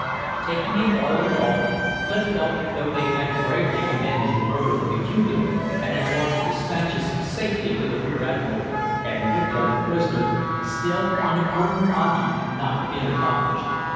Taking it all in all, Clif felt that though they had bravely avenged the murder of the Cuban, and had brought the dispatches safely to the rear admiral, and with them a prisoner, still an important object had not been accomplished.